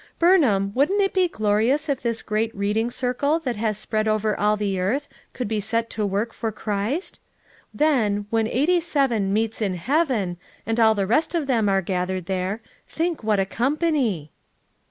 Burnham, wouldn't it be glorious if this great Reading Circle that has spread over all the earth could be set to work for Christ? Then 'When Eighty seven meets in heaven,' and all the rest of them are gath ered, there, think what a company!"